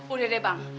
udah deh bang